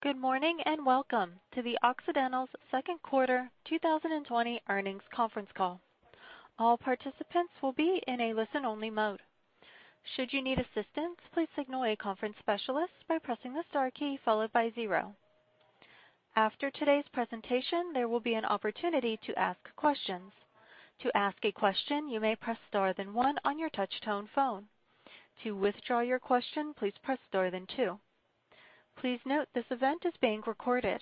Good morning, and welcome to Occidental's Second Quarter 2020 Earnings Conference Call. All participants will be in a listen-only mode. Should you need assistance, please signal a conference specialist by pressing the star key followed by zero. After today's presentation, there will be an opportunity to ask questions. To ask a question, you may press star then one on your touch tone phone. To withdraw your question, please press star then two. Please note this event is being recorded.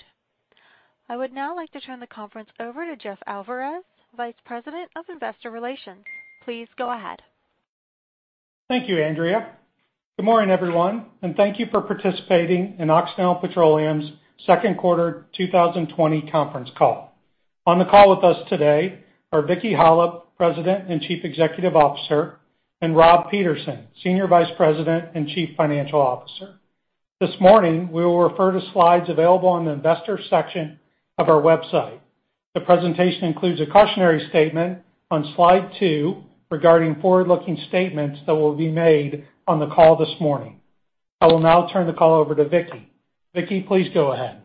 I would now like to turn the conference over to Jeff Alvarez, Vice President of Investor Relations. Please go ahead. Thank you, Andrea. Good morning, everyone, and thank you for participating in Occidental Petroleum's Second Quarter 2020 Conference Call. On the call with us today are Vicki Hollub, President and Chief Executive Officer, and Rob Peterson, Senior Vice President and Chief Financial Officer. This morning, we will refer to slides available on the investor section of our website. The presentation includes a cautionary statement on slide two regarding forward-looking statements that will be made on the call this morning. I will now turn the call over to Vicki. Vicki, please go ahead.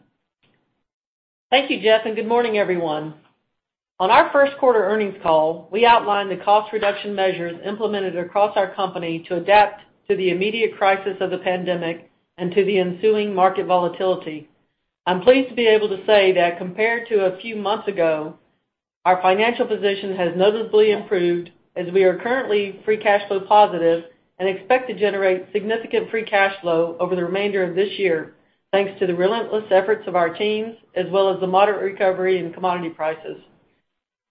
Thank you, Jeff, and good morning, everyone. On our first quarter earnings call, we outlined the cost reduction measures implemented across our company to adapt to the immediate crisis of the pandemic and to the ensuing market volatility. I'm pleased to be able to say that compared to a few months ago, our financial position has notably improved, as we are currently free cash flow positive and expect to generate significant free cash flow over the remainder of this year, thanks to the relentless efforts of our teams, as well as the moderate recovery in commodity prices.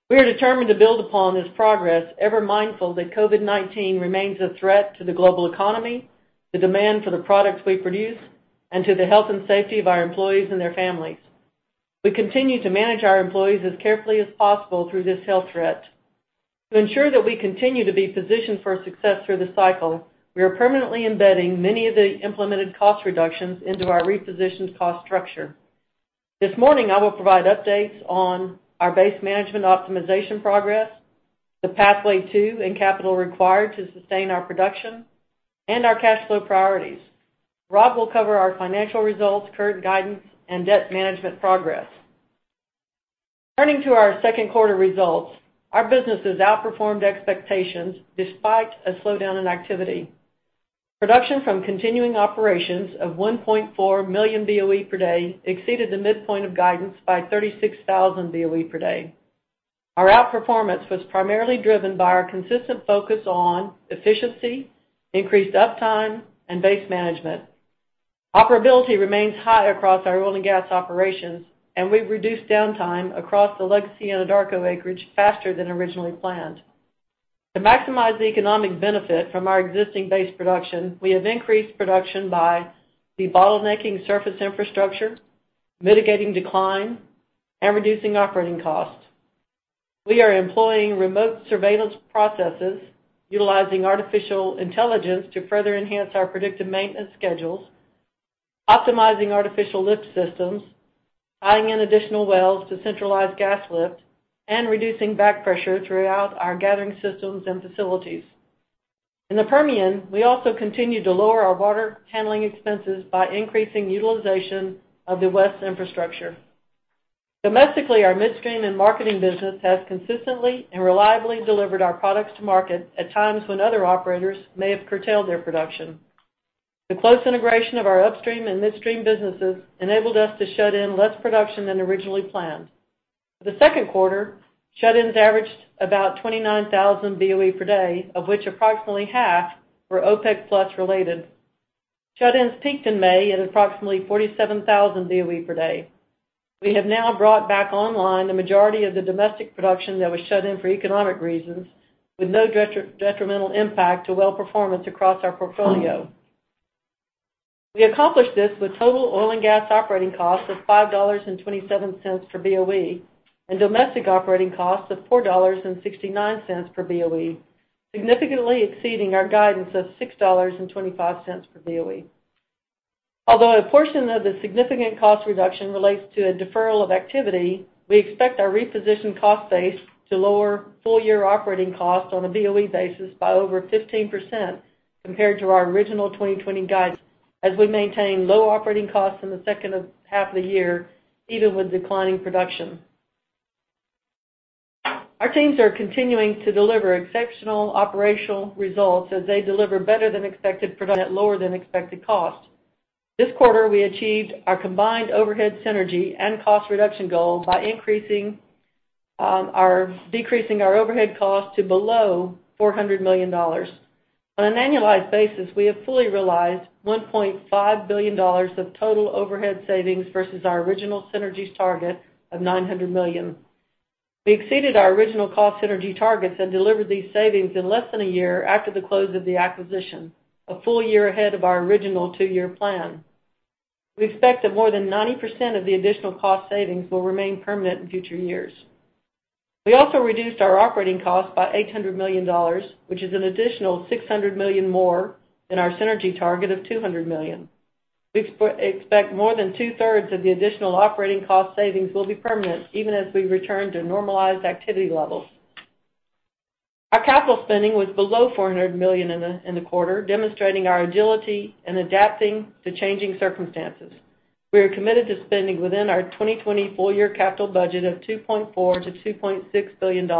We are determined to build upon this progress, ever mindful that COVID-19 remains a threat to the global economy, the demand for the products we produce, and to the health and safety of our employees and their families. We continue to manage our employees as carefully as possible through this health threat. To ensure that we continue to be positioned for success through the cycle, we are permanently embedding many of the implemented cost reductions into our repositioned cost structure. This morning, I will provide updates on our base management optimization progress, the pathway to and capital required to sustain our production, and our cash flow priorities. Rob will cover our financial results, current guidance, and debt management progress. Turning to our second quarter results, our businesses outperformed expectations despite a slowdown in activity. Production from continuing operations of 1.4 million BOE per day exceeded the midpoint of guidance by 36,000 BOE per day. Our outperformance was primarily driven by our consistent focus on efficiency, increased uptime, and base management. Operability remains high across our oil and gas operations, and we've reduced downtime across the Legacy and Anadarko acreage faster than originally planned. To maximize the economic benefit from our existing base production, we have increased production by debottlenecking surface infrastructure, mitigating decline, and reducing operating costs. We are employing remote surveillance processes, utilizing artificial intelligence to further enhance our predictive maintenance schedules, optimizing artificial lift systems, tying in additional wells to centralized gas lift, and reducing back pressure throughout our gathering systems and facilities. In the Permian, we also continue to lower our water handling expenses by increasing utilization of the West infrastructure. Domestically, our midstream and marketing business has consistently and reliably delivered our products to market at times when other operators may have curtailed their production. The close integration of our upstream and midstream businesses enabled us to shut in less production than originally planned. For the second quarter, shut-ins averaged about 29,000 BOE per day, of which approximately half were OPEC+ related. Shut-ins peaked in May at approximately 47,000 BOE per day. We have now brought back online the majority of the domestic production that was shut in for economic reasons, with no detrimental impact to well performance across our portfolio. We accomplished this with total oil and gas operating costs of $5.27 per BOE and domestic operating costs of $4.69 per BOE, significantly exceeding our guidance of $6.25 per BOE. Although a portion of the significant cost reduction relates to a deferral of activity, we expect our repositioned cost base to lower full-year operating costs on a BOE basis by over 15% compared to our original 2020 guidance as we maintain low operating costs in the second half of the year, even with declining production. Our teams are continuing to deliver exceptional operational results as they deliver better than expected production at lower than expected costs. This quarter, we achieved our combined overhead synergy and cost reduction goal by decreasing our overhead costs to below $400 million. On an annualized basis, we have fully realized $1.5 billion of total overhead savings versus our original synergies target of $900 million. We exceeded our original cost synergy targets and delivered these savings in less than a year after the close of the acquisition, a full year ahead of our original two-year plan. We expect that more than 90% of the additional cost savings will remain permanent in future years. We also reduced our operating costs by $800 million, which is an additional $600 million more than our synergy target of $200 million. We expect more than 2/3 of the additional operating cost savings will be permanent even as we return to normalized activity levels. Our capital spending was below $400 million in the quarter, demonstrating our agility in adapting to changing circumstances. We are committed to spending within our 2020 full-year capital budget of $2.4 billion-$2.6 billion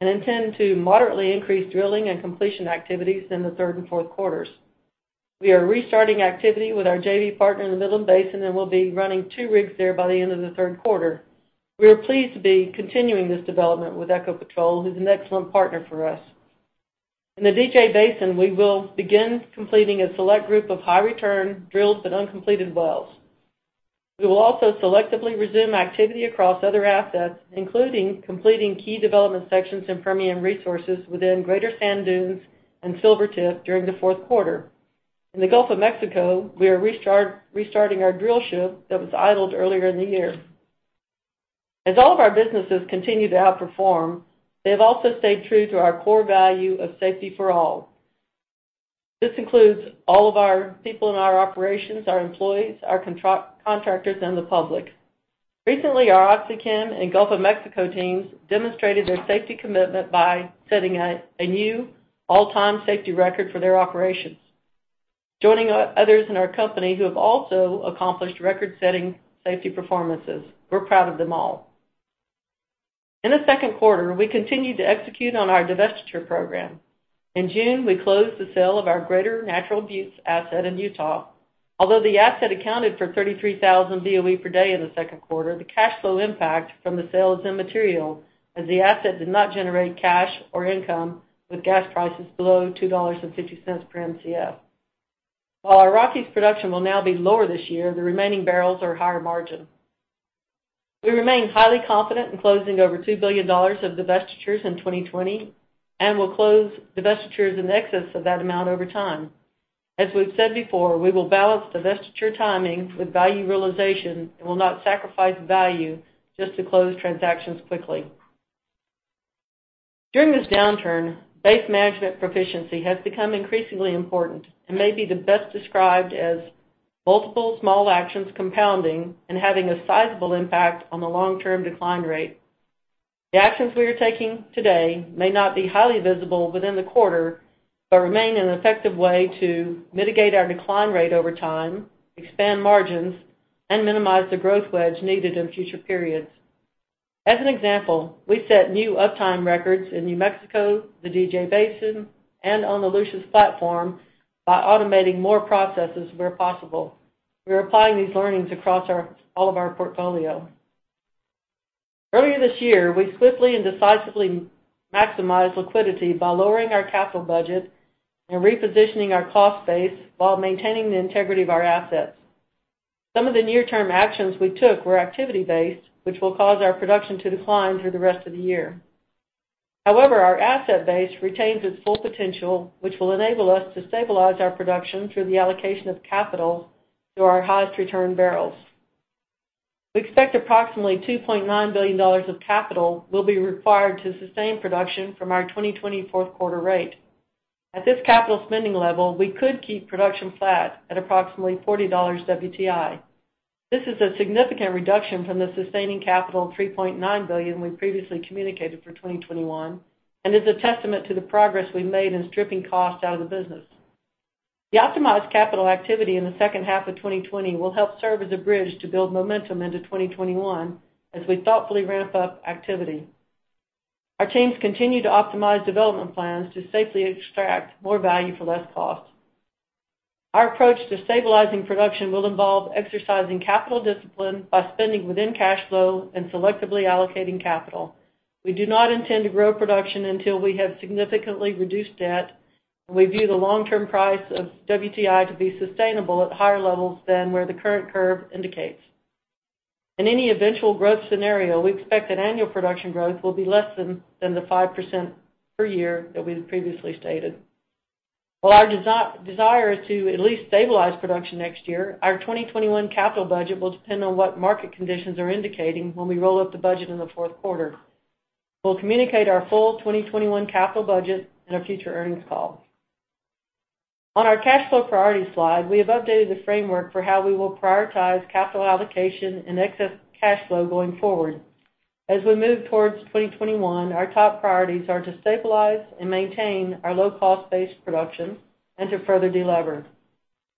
and intend to moderately increase drilling and completion activities in the third and fourth quarters. We are restarting activity with our JV partner in the Midland Basin and will be running two rigs there by the end of the third quarter. We are pleased to be continuing this development with Ecopetrol, who's an excellent partner for us. In the DJ Basin, we will begin completing a select group of high-return, drilled but uncompleted wells. We will also selectively resume activity across other assets, including completing key development sections in Permian Resources within Greater Sand Dunes and Silvertip during the fourth quarter. In the Gulf of Mexico, we are restarting our drill ship that was idled earlier in the year. As all of our businesses continue to outperform, they have also stayed true to our core value of safety for all. This includes all of our people in our operations, our employees, our contractors, and the public. Recently, our OxyChem and Gulf of Mexico teams demonstrated their safety commitment by setting a new all-time safety record for their operations, joining others in our company who have also accomplished record-setting safety performances. We're proud of them all. In the second quarter, we continued to execute on our divestiture program. In June, we closed the sale of our Greater Natural Buttes asset in Utah. Although the asset accounted for 33,000 BOE per day in the second quarter, the cash flow impact from the sale is immaterial as the asset did not generate cash or income with gas prices below $2.50 per Mcf. While our Rockies production will now be lower this year, the remaining barrels are higher margin. We remain highly confident in closing over $2 billion of divestitures in 2020 and will close divestitures in excess of that amount over time. As we've said before, we will balance divestiture timing with value realization and will not sacrifice value just to close transactions quickly. During this downturn, base management proficiency has become increasingly important and may be best described as multiple small actions compounding and having a sizable impact on the long-term decline rate. The actions we are taking today may not be highly visible within the quarter, but remain an effective way to mitigate our decline rate over time, expand margins, and minimize the growth wedge needed in future periods. As an example, we set new uptime records in New Mexico, the DJ Basin, and on the Lucius platform by automating more processes where possible. We are applying these learnings across all of our portfolio. Earlier this year, we swiftly and decisively maximized liquidity by lowering our capital budget and repositioning our cost base while maintaining the integrity of our assets. Some of the near-term actions we took were activity-based, which will cause our production to decline through the rest of the year. However, our asset base retains its full potential, which will enable us to stabilize our production through the allocation of capital to our highest return barrels. We expect approximately $2.9 billion of capital will be required to sustain production from our 2020 fourth quarter rate. At this capital spending level, we could keep production flat at approximately $40 WTI. This is a significant reduction from the sustaining capital of $3.9 billion we previously communicated for 2021, is a testament to the progress we've made in stripping costs out of the business. The optimized capital activity in the second half of 2020 will help serve as a bridge to build momentum into 2021 as we thoughtfully ramp up activity. Our teams continue to optimize development plans to safely extract more value for less cost. Our approach to stabilizing production will involve exercising capital discipline by spending within cash flow and selectively allocating capital. We do not intend to grow production until we have significantly reduced debt, and we view the long-term price of WTI to be sustainable at higher levels than where the current curve indicates. In any eventual growth scenario, we expect that annual production growth will be less than the 5% per year that we had previously stated. While our desire is to at least stabilize production next year, our 2021 capital budget will depend on what market conditions are indicating when we roll up the budget in the fourth quarter. We'll communicate our full 2021 capital budget in a future earnings call. On our cash flow priority slide, we have updated the framework for how we will prioritize capital allocation and excess cash flow going forward. As we move towards 2021, our top priorities are to stabilize and maintain our low-cost-based production and to further de-lever.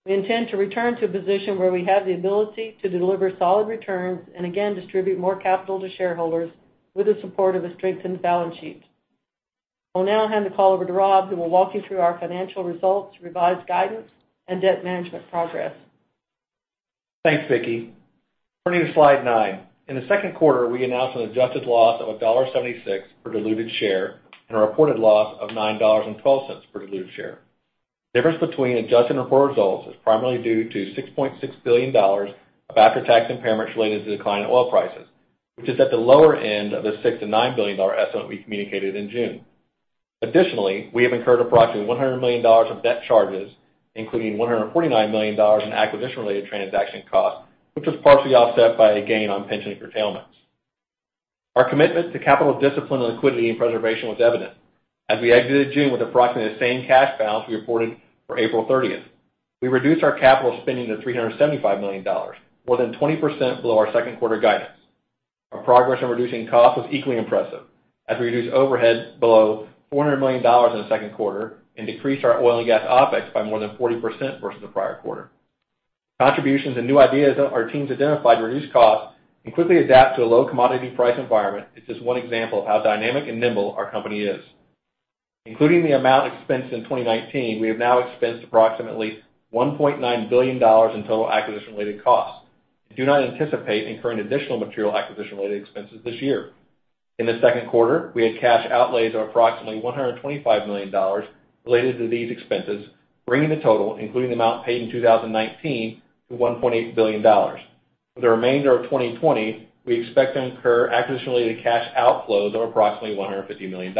We intend to return to a position where we have the ability to deliver solid returns and again distribute more capital to shareholders with the support of a strengthened balance sheet. I'll now hand the call over to Rob, who will walk you through our financial results, revised guidance, and debt management progress. Thanks, Vicki. Turning to slide nine. In the second quarter, we announced an adjusted loss of $1.76 per diluted share and a reported loss of $9.12 per diluted share. The difference between adjusted and reported results is primarily due to $6.6 billion of after-tax impairments related to the decline in oil prices, which is at the lower end of the $6 billion-$9 billion estimate we communicated in June. Additionally, we have incurred approximately $100 million of debt charges, including $149 million in acquisition-related transaction costs, which was partially offset by a gain on pension curtailments. Our commitment to capital discipline and liquidity and preservation was evident as we exited June with approximately the same cash balance we reported for April 30th. We reduced our capital spending to $375 million, more than 20% below our second quarter guidance. Our progress in reducing costs was equally impressive, as we reduced overhead below $400 million in the second quarter and decreased our oil and gas OpEx by more than 40% versus the prior quarter. Contributions and new ideas that our teams identified to reduce costs and quickly adapt to a low commodity price environment is just one example of how dynamic and nimble our company is. Including the amount expensed in 2019, we have now expensed approximately $1.9 billion in total acquisition-related costs. We do not anticipate incurring additional material acquisition-related expenses this year. In the second quarter, we had cash outlays of approximately $125 million related to these expenses, bringing the total, including the amount paid in 2019, to $1.8 billion. For the remainder of 2020, we expect to incur acquisition-related cash outflows of approximately $150 million.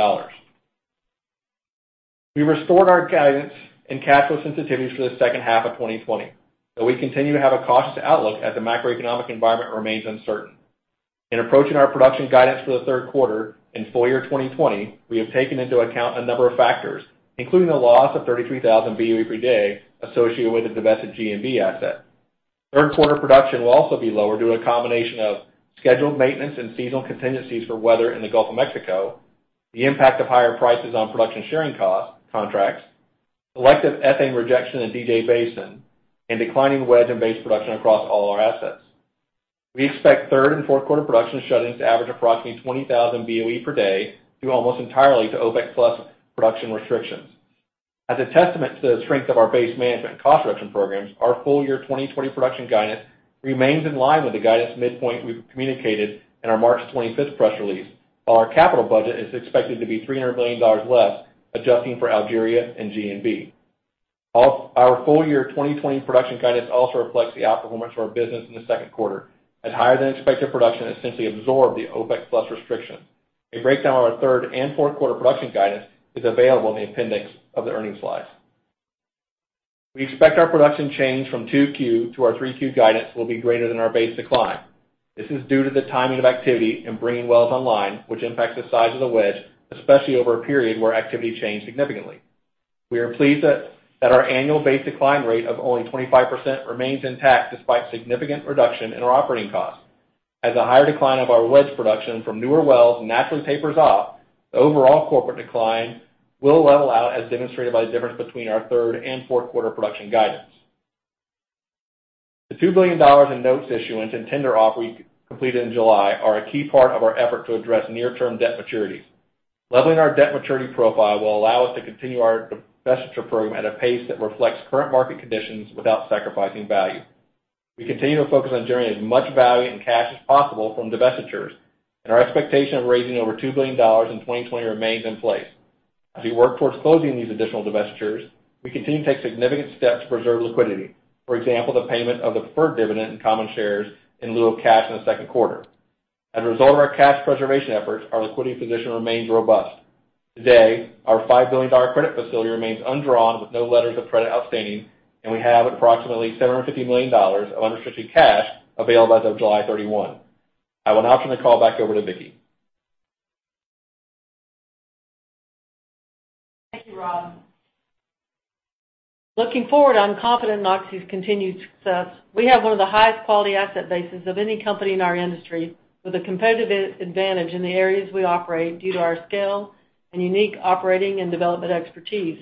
We restored our guidance and cash flow sensitivities for the second half of 2020, but we continue to have a cautious outlook as the macroeconomic environment remains uncertain. In approaching our production guidance for the third quarter and full year 2020, we have taken into account a number of factors, including the loss of 33,000 BOE per day associated with the divested GNB asset. Third quarter production will also be lower due to a combination of scheduled maintenance and seasonal contingencies for weather in the Gulf of Mexico, the impact of higher prices on production sharing contracts, selective ethane rejection in the DJ Basin, and declining wedge and base production across all our assets. We expect third and fourth quarter production shut-ins to average approximately 20,000 BOE per day due almost entirely to OPEC+ production restrictions. As a testament to the strength of our base management and cost reduction programs, our full year 2020 production guidance remains in line with the guidance midpoint we communicated in our March 25th press release, while our capital budget is expected to be $300 million less, adjusting for Algeria and GNB. Our full year 2020 production guidance also reflects the outperformance of our business in the second quarter, as higher-than-expected production essentially absorbed the OPEC+ restriction. A breakdown of our third and fourth quarter production guidance is available in the appendix of the earnings slides. We expect our production change from 2Q to our 3Q guidance will be greater than our base decline. This is due to the timing of activity in bringing wells online, which impacts the size of the wedge, especially over a period where activity changed significantly. We are pleased that our annual base decline rate of only 25% remains intact despite significant reduction in our operating cost. As the higher decline of our wedge production from newer wells naturally tapers off, the overall corporate decline will level out, as demonstrated by the difference between our third and fourth quarter production guidance. The $2 billion in notes issuance and tender offer we completed in July are a key part of our effort to address near-term debt maturities. Leveling our debt maturity profile will allow us to continue our divestiture program at a pace that reflects current market conditions without sacrificing value. We continue to focus on generating as much value and cash as possible from divestitures, and our expectation of raising over $2 billion in 2020 remains in place. As we work towards closing these additional divestitures, we continue to take significant steps to preserve liquidity. For example, the payment of the preferred dividend in common shares in lieu of cash in the second quarter. As a result of our cash preservation efforts, our liquidity position remains robust. Today, our $5 billion credit facility remains undrawn with no letters of credit outstanding, and we have approximately $750 million of unrestricted cash available as of July 31. I will now turn the call back over to Vicki. Thank you, Rob. Looking forward, I'm confident in Oxy's continued success. We have one of the highest quality asset bases of any company in our industry, with a competitive advantage in the areas we operate due to our scale and unique operating and development expertise.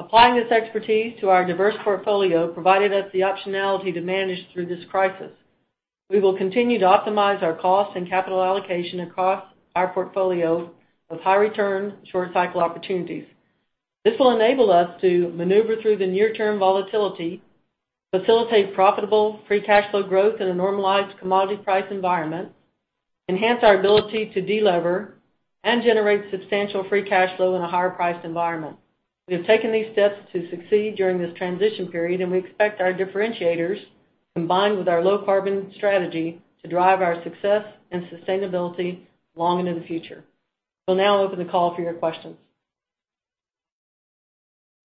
Applying this expertise to our diverse portfolio provided us the optionality to manage through this crisis. We will continue to optimize our cost and capital allocation across our portfolio with high return, short-cycle opportunities. This will enable us to maneuver through the near-term volatility, facilitate profitable free cash flow growth in a normalized commodity price environment, enhance our ability to de-lever, and generate substantial free cash flow in a higher-priced environment. We have taken these steps to succeed during this transition period, and we expect our differentiators, combined with our low-carbon strategy, to drive our success and sustainability long into the future. We'll now open the call for your questions.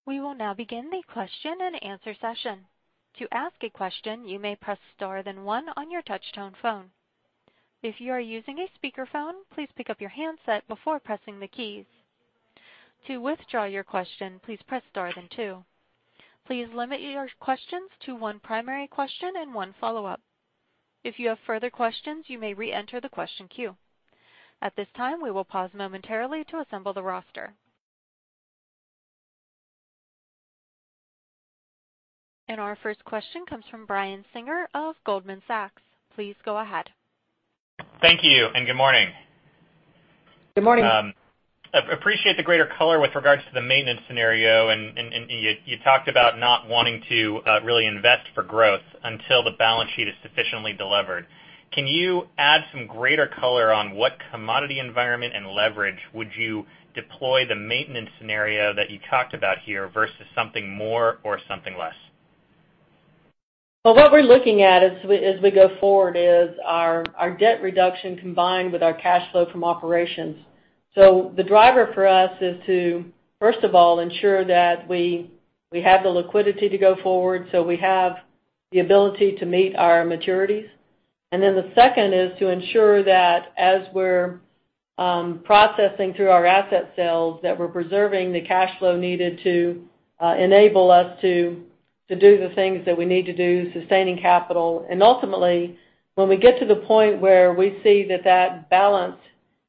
We will now begin the question-and-answer session. To ask a question you may press star then one on your touch tone phone. If you are using speakerphone please pick up your handset before pressing the key. To withdraw your question please press star then two. Please limit your question to one primary question and one follow-up. If you have further question you re-enter the question queue. At this time we will pause momentarily to assemble the roster. Our first question comes from Brian Singer of Goldman Sachs. Please go ahead. Thank you, and good morning. Good morning. Appreciate the greater color with regards to the maintenance scenario, and you talked about not wanting to really invest for growth until the balance sheet is sufficiently delevered. Can you add some greater color on what commodity environment and leverage would you deploy the maintenance scenario that you talked about here versus something more or something less? Well, what we're looking at as we go forward is our debt reduction combined with our cash flow from operations. The driver for us is to, first of all, ensure that we have the liquidity to go forward, so we have the ability to meet our maturities. The second is to ensure that as we're processing through our asset sales that we're preserving the cash flow needed to enable us to do the things that we need to do, sustaining capital. Ultimately, when we get to the point where we see that balance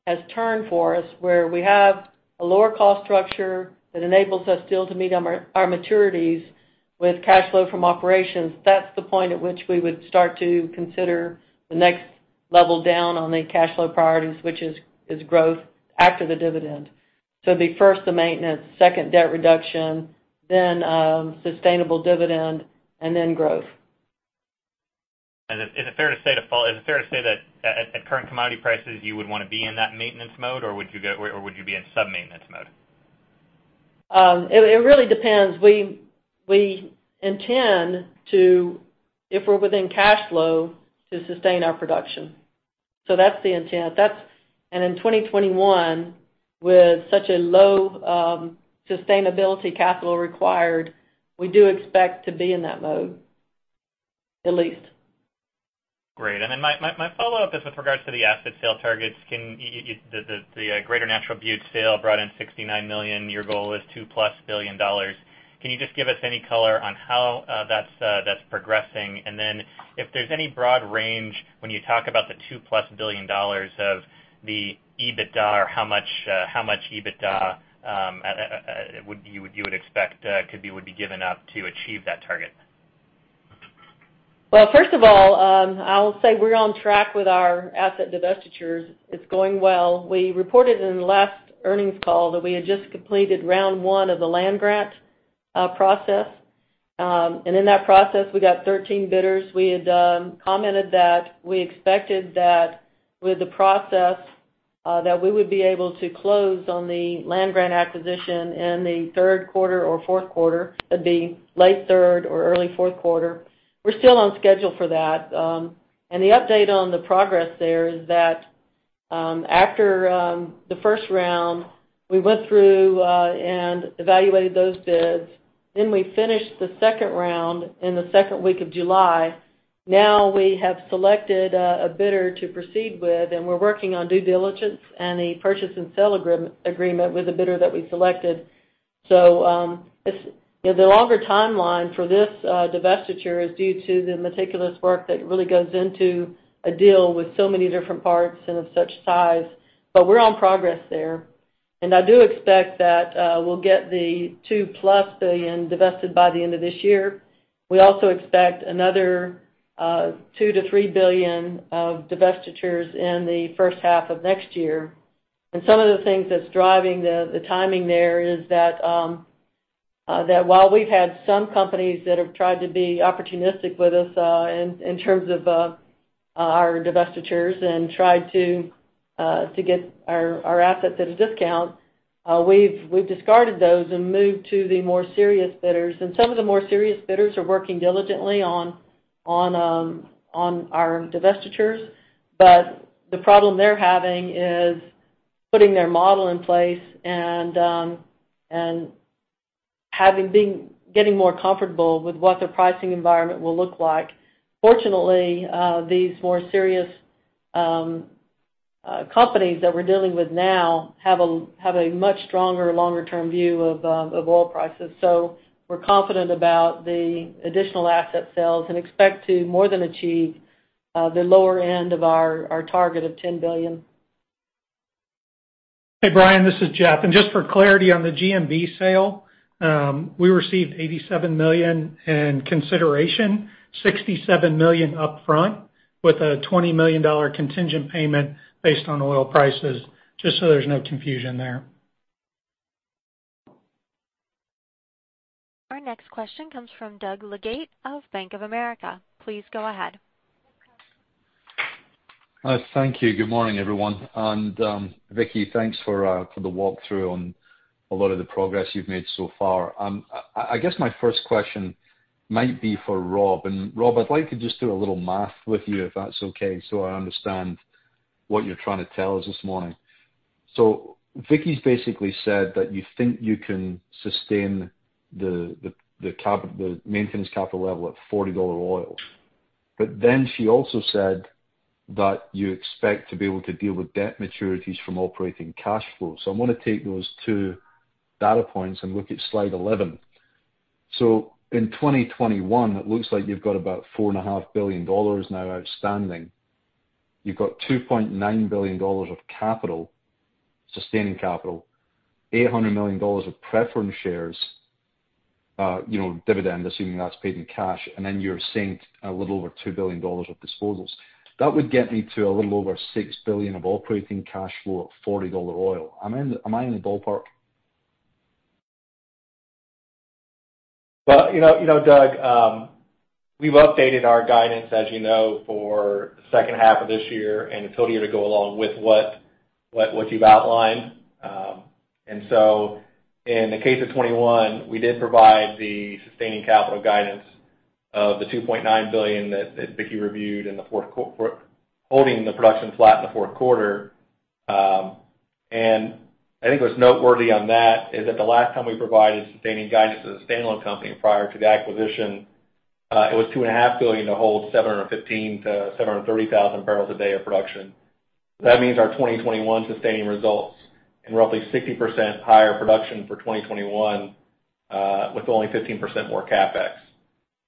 has turned for us, where we have a lower cost structure that enables us still to meet our maturities with cash flow from operations, that's the point at which we would start to consider the next level down on the cash flow priorities, which is growth after the dividend. It'd be first the maintenance, second debt reduction, then sustainable dividend, and then growth. Is it fair to say that at current commodity prices, you would want to be in that maintenance mode, or would you be in sub-maintenance mode? It really depends. We intend to, if we're within cash flow, to sustain our production. That's the intent. In 2021, with such a low sustainability capital required, we do expect to be in that mode at least. Great. My follow-up is with regards to the asset sale targets. The Greater Natural Buttes sale brought in $69 million. Your goal is $2+ billion. Can you just give us any color on how that's progressing? If there's any broad range when you talk about the $2+ billion of the EBITDA, or how much EBITDA you would expect would be given up to achieve that target? Well, first of all, I'll say we're on track with our asset divestitures. It's going well. We reported in the last earnings call that we had just completed round one of the land grant process. In that process, we got 13 bidders. We had commented that we expected that with the process, that we would be able to close on the land grant acquisition in the third quarter or fourth quarter. It'd be late third or early fourth quarter. We're still on schedule for that. The update on the progress there is that after the first round, we went through and evaluated those bids. We finished the second round in the second week of July. Now we have selected a bidder to proceed with, and we're working on due diligence and the purchase and sale agreement with the bidder that we selected. The longer timeline for this divestiture is due to the meticulous work that really goes into a deal with so many different parts and of such size. We're on progress there. I do expect that we'll get the $2+ billion divested by the end of this year. We also expect another $2 billion-$3 billion of divestitures in the first half of next year. Some of the things that's driving the timing there is that while we've had some companies that have tried to be opportunistic with us in terms of our divestitures and tried to get our assets at a discount, we've discarded those and moved to the more serious bidders. Some of the more serious bidders are working diligently on our divestitures. The problem they're having is putting their model in place and getting more comfortable with what the pricing environment will look like. Fortunately, these more serious companies that we're dealing with now have a much stronger longer-term view of oil prices. We're confident about the additional asset sales and expect to more than achieve the lower end of our target of $10 billion. Hey, Brian, this is Jeff. Just for clarity on the GNB sale, we received $87 million in consideration, $67 million up front, with a $20 million contingent payment based on oil prices, just so there's no confusion there. Our next question comes from Doug Leggate of Bank of America. Please go ahead. Thank you. Good morning, everyone. Vicki, thanks for the walkthrough on a lot of the progress you've made so far. I guess my first question might be for Rob. Rob, I'd like to just do a little math with you, if that's okay, so I understand what you're trying to tell us this morning. Vicki's basically said that you think you can sustain the maintenance capital level at $40 oil. She also said that you expect to be able to deal with debt maturities from operating cash flow. I want to take those two data points and look at slide 11. In 2021, it looks like you've got about $4.5 billion now outstanding. You've got $2.9 billion of capital, sustaining capital, $800 million of preference shares, dividend, assuming that's paid in cash, and then you're seeing a little over $2 billion of disposals. That would get me to a little over $6 billion of operating cash flow at $40 oil. Am I in the ballpark? Well Doug, we've updated our guidance, as you know, for the second half of this year and the full year to go along with what you've outlined. In the case of 2021, we did provide the sustaining capital guidance of the $2.9 billion that Vicki reviewed, holding the production flat in the fourth quarter. I think what's noteworthy on that is that the last time we provided sustaining guidance as a standalone company prior to the acquisition It was $2.5 billion to hold 715,000 bbl-730,000 bbl a day of production. That means our 2021 sustaining results and roughly 60% higher production for 2021 with only 15% more CapEx.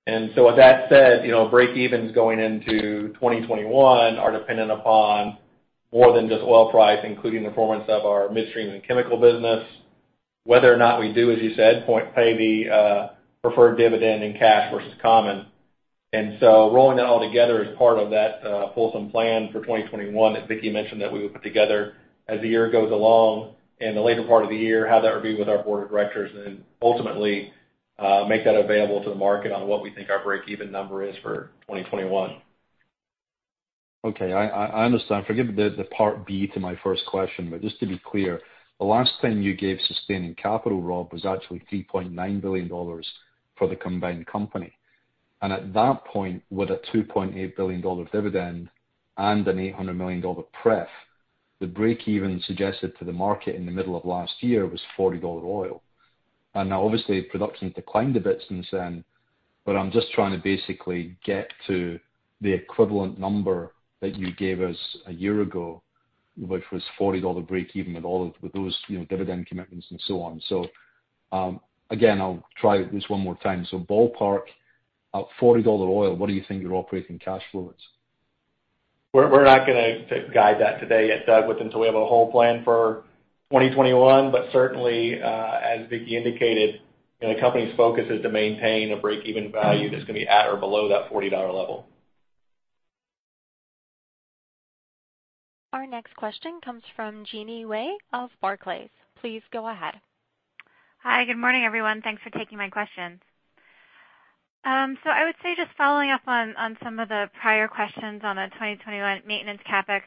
With that said, breakevens going into 2021 are dependent upon more than just oil price, including the performance of our midstream and chemical business. Whether or not we do, as you said, pay the preferred dividend in cash versus common. Rolling that all together as part of that wholesome plan for 2021 that Vicki mentioned that we would put together as the year goes along, in the later part of the year, have that review with our board of directors, and ultimately, make that available to the market on what we think our breakeven number is for 2021. Okay. I understand. Forgive the part B to my first question, but just to be clear, the last time you gave sustaining capital, Rob, was actually $3.9 billion for the combined company. At that point, with a $2.8 billion dividend and an $800 million pref, the breakeven suggested to the market in the middle of last year was $40 oil. Now obviously production declined a bit since then, but I'm just trying to basically get to the equivalent number that you gave us a year ago, which was $40 breakeven with those dividend commitments and so on. Again, I'll try this one more time. Ballpark, at $40 oil, what do you think your operating cash flow is? We're not going to guide that today yet, Doug, until we have a whole plan for 2021. Certainly, as Vicki indicated, the company's focus is to maintain a breakeven value that's going to be at or below that $40 level. Our next question comes from Jeanine Wai of Barclays. Please go ahead. Hi, good morning, everyone. Thanks for taking my questions. I would say just following up on some of the prior questions on the 2021 maintenance CapEx.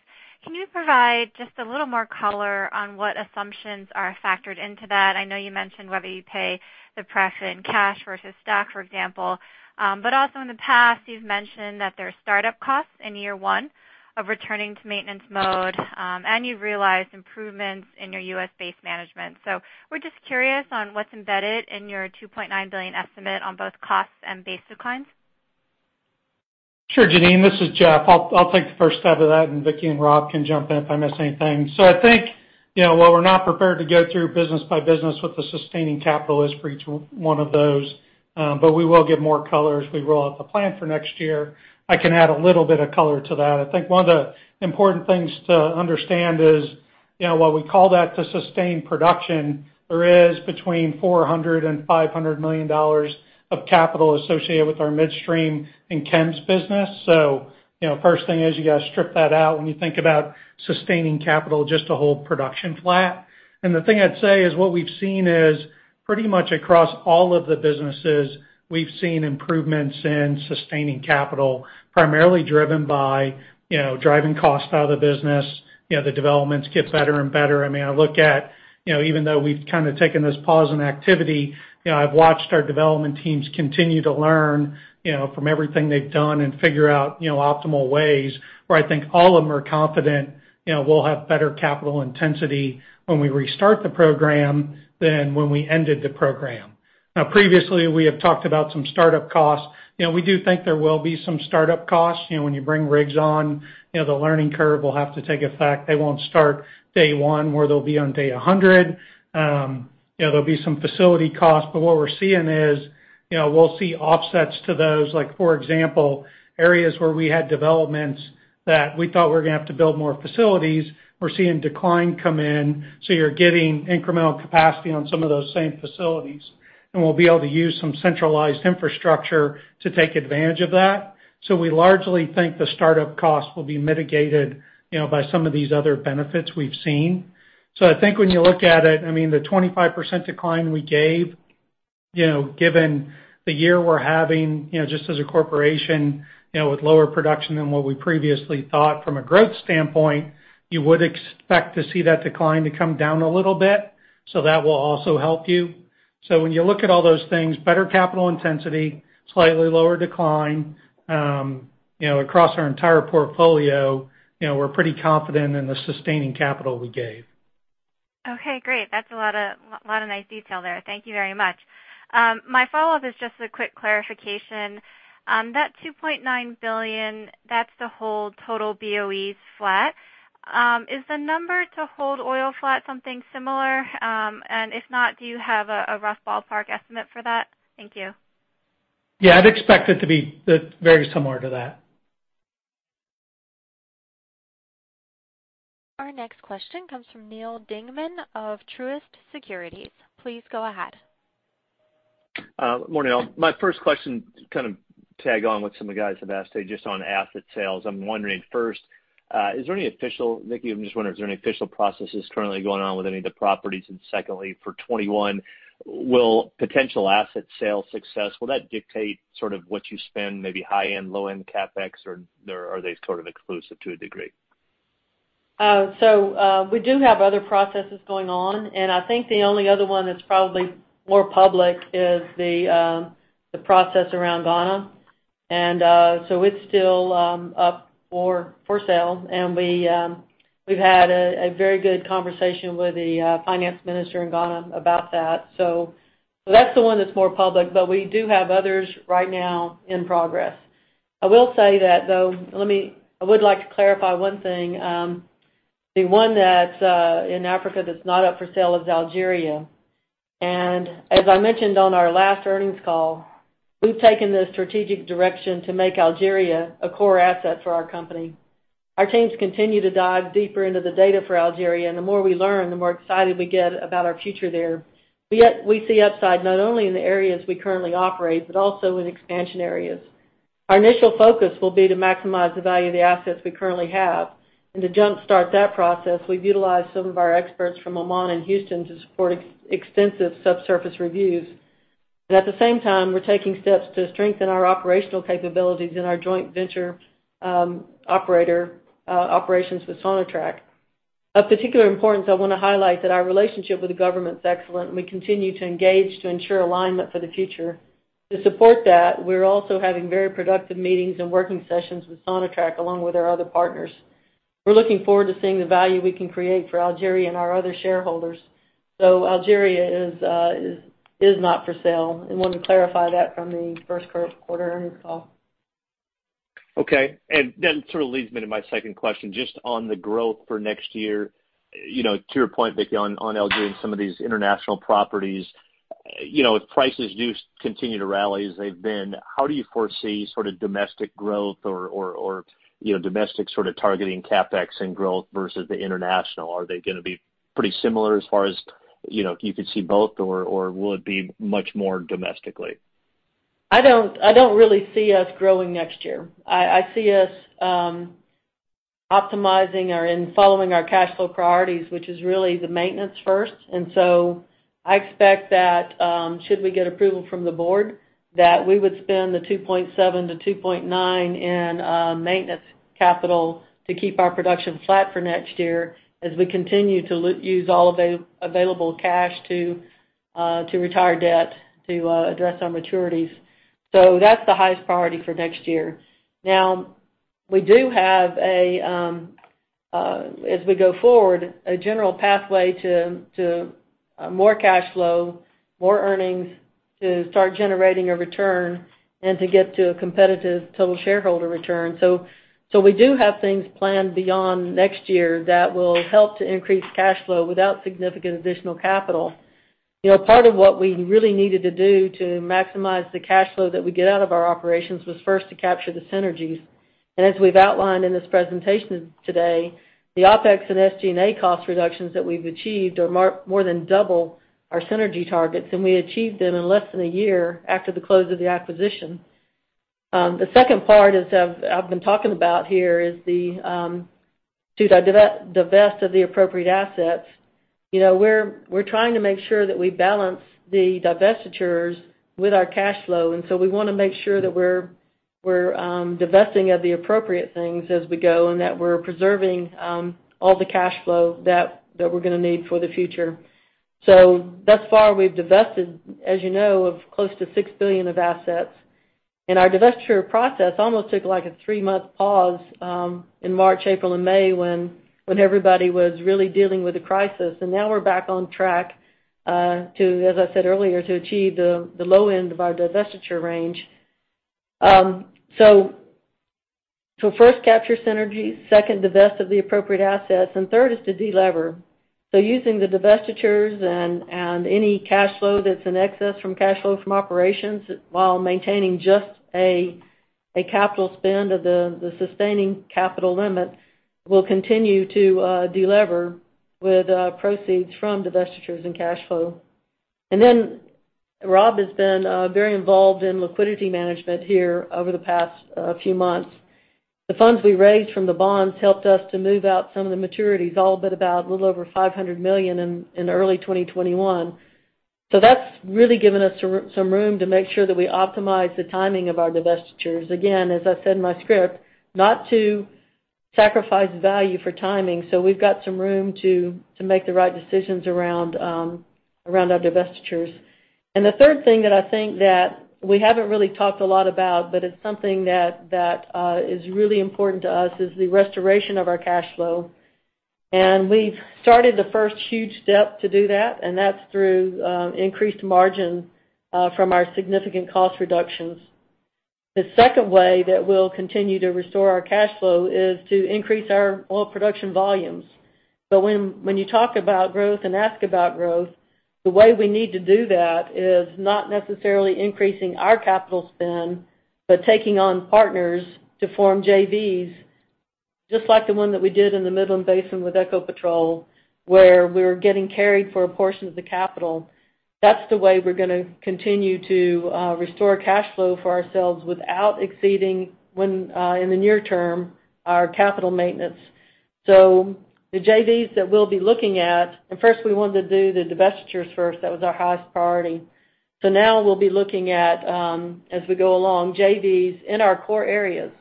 Can you provide just a little more color on what assumptions are factored into that? I know you mentioned whether you pay the pref in cash versus stock, for example. Also in the past, you've mentioned that there are startup costs in year one of returning to maintenance mode, and you've realized improvements in your U.S. base management. We're just curious on what's embedded in your $2.9 billion estimate on both costs and base declines. Sure, Jeanine, this is Jeff. I'll take the first stab at that, and Vicki and Rob can jump in if I miss anything. I think, while we're not prepared to go through business by business with the sustaining capital as for each one of those, but we will give more color as we roll out the plan for next year. I can add a little bit of color to that. I think one of the important things to understand is, while we call that the sustained production, there is between $400 million and $500 million of capital associated with our midstream and chem's business. First thing is you got to strip that out when you think about sustaining capital, just to hold production flat. The thing I'd say is what we've seen is pretty much across all of the businesses, we've seen improvements in sustaining capital, primarily driven by driving cost out of the business. The developments get better and better. I look at, even though we've kind of taken this pause in activity, I've watched our development teams continue to learn from everything they've done and figure out optimal ways where I think all of them are confident we'll have better capital intensity when we restart the program than when we ended the program. Previously, we have talked about some startup costs. We do think there will be some startup costs. When you bring rigs on, the learning curve will have to take effect. They won't start day one where they'll be on day 100. There'll be some facility costs, but what we're seeing is we'll see offsets to those, like for example, areas where we had developments that we thought we were going to have to build more facilities, we're seeing decline come in, so you're getting incremental capacity on some of those same facilities, and we'll be able to use some centralized infrastructure to take advantage of that. We largely think the startup costs will be mitigated by some of these other benefits we've seen. I think when you look at it, the 25% decline we gave, given the year we're having, just as a corporation, with lower production than what we previously thought from a growth standpoint, you would expect to see that decline to come down a little bit. That will also help you. When you look at all those things, better capital intensity, slightly lower decline, across our entire portfolio, we're pretty confident in the sustaining capital we gave. Okay, great. That's a lot of nice detail there. Thank you very much. My follow-up is just a quick clarification. That $2.9 billion, that's the whole total BOEs flat. Is the number to hold oil flat something similar? If not, do you have a rough ballpark estimate for that? Thank you. Yeah, I'd expect it to be very similar to that. Our next question comes from Neal Dingmann of Truist Securities. Please go ahead. Morning all. My first question to kind of tag on what some of the guys have asked, just on asset sales. I'm wondering first, Vicki, I'm just wondering, is there any official processes currently going on with any of the properties? Secondly, for 2021, will potential asset sales success, will that dictate sort of what you spend, maybe high-end, low-end CapEx, or are they sort of exclusive to a degree? We do have other processes going on. I think the only other one that's probably more public is the process around Ghana. It's still up for sale, and We've had a very good conversation with the finance minister in Ghana about that. That's the one that's more public, but we do have others right now in progress. I will say that though, I would like to clarify one thing. The one that's in Africa that's not up for sale is Algeria. As I mentioned on our last earnings call, we've taken the strategic direction to make Algeria a core asset for our company. Our teams continue to dive deeper into the data for Algeria, and the more we learn, the more excited we get about our future there. We see upside not only in the areas we currently operate, but also in expansion areas. Our initial focus will be to maximize the value of the assets we currently have. To jumpstart that process, we've utilized some of our experts from Oman and Houston to support extensive subsurface reviews. At the same time, we're taking steps to strengthen our operational capabilities in our joint venture operations with Sonatrach. Of particular importance, I want to highlight that our relationship with the government is excellent, and we continue to engage to ensure alignment for the future. To support that, we're also having very productive meetings and working sessions with Sonatrach, along with our other partners. We're looking forward to seeing the value we can create for Algeria and our other shareholders. Algeria is not for sale. I wanted to clarify that from the first quarter earnings call. Okay. That sort of leads me to my second question, just on the growth for next year. To your point, Vicki, on Algeria and some of these international properties, if prices do continue to rally as they've been, how do you foresee domestic growth or domestic targeting CapEx and growth versus the international? Are they going to be pretty similar as far as you could see both, or will it be much more domestically? I don't really see us growing next year. I see us optimizing and following our cash flow priorities, which is really the maintenance first. I expect that should we get approval from the board, that we would spend $2.7-$2.9 in maintenance capital to keep our production flat for next year as we continue to use all available cash to retire debt, to address our maturities. That's the highest priority for next year. We do have, as we go forward, a general pathway to more cash flow, more earnings to start generating a return and to get to a competitive total shareholder return. We do have things planned beyond next year that will help to increase cash flow without significant additional capital. Part of what we really needed to do to maximize the cash flow that we get out of our operations was first to capture the synergies. As we've outlined in this presentation today, the OpEx and SG&A cost reductions that we've achieved are more than double our synergy targets, and we achieved them in less than a year after the close of the acquisition. The second part I've been talking about here is to divest of the appropriate assets. We're trying to make sure that we balance the divestitures with our cash flow. We want to make sure that we're divesting of the appropriate things as we go and that we're preserving all the cash flow that we're going to need for the future. Thus far, we've divested, as you know, of close to $6 billion of assets. Our divestiture process almost took like a three-month pause in March, April, and May when everybody was really dealing with the crisis. Now we're back on track, as I said earlier, to achieve the low end of our divestiture range. So first, capture synergies, second, divest of the appropriate assets, and third is to de-lever. So using the divestitures and any cash flow that's in excess from cash flow from operations, while maintaining just a CapEx spend of the sustaining capital limit will continue to de-lever with proceeds from divestitures and cash flow. Then Rob has been very involved in liquidity management here over the past few months. The funds we raised from the bonds helped us to move out some of the maturities, all but about a little over $500 million in early 2021. That's really given us some room to make sure that we optimize the timing of our divestitures. Again, as I said in my script, not to sacrifice value for timing. We've got some room to make the right decisions around our divestitures. The third thing that I think that we haven't really talked a lot about, but it's something that is really important to us is the restoration of our cash flow. We've started the first huge step to do that, and that's through increased margin from our significant cost reductions. The second way that we'll continue to restore our cash flow is to increase our oil production volumes. When you talk about growth and ask about growth, the way we need to do that is not necessarily increasing our capital spend, but taking on partners to form JVs, just like the one that we did in the Midland Basin with Ecopetrol, where we're getting carried for a portion of the capital. That's the way we're going to continue to restore cash flow for ourselves without exceeding, in the near term, our capital maintenance. The JVs that we'll be looking at, first we wanted to do the divestitures first. That was our highest priority. Now we'll be looking at, as we go along, JVs in our core areas.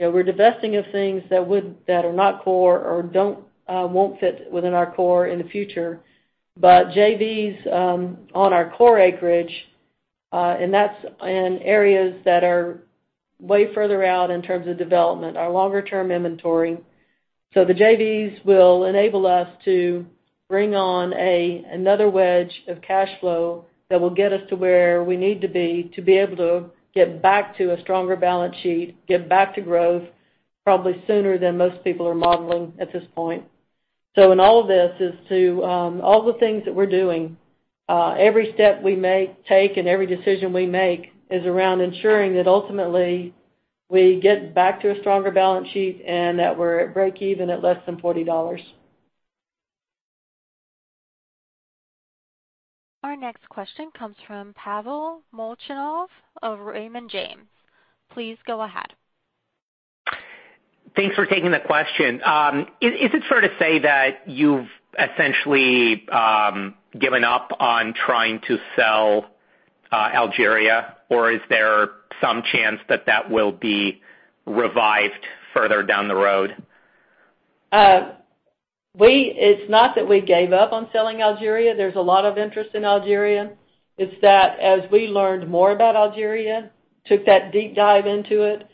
We're divesting of things that are not core or won't fit within our core in the future. JVs on our core acreage. That's in areas that are way further out in terms of development, our longer-term inventory. The JVs will enable us to bring on another wedge of cash flow that will get us to where we need to be to be able to get back to a stronger balance sheet, get back to growth probably sooner than most people are modeling at this point. In all of this, all the things that we're doing, every step we take and every decision we make is around ensuring that ultimately we get back to a stronger balance sheet and that we're at breakeven at less than $40. Our next question comes from Pavel Molchanov of Raymond James. Please go ahead. Thanks for taking the question. Is it fair to say that you've essentially given up on trying to sell Algeria, or is there some chance that that will be revived further down the road? It's not that we gave up on selling Algeria. There's a lot of interest in Algeria. It's that as we learned more about Algeria, took that deep dive into it,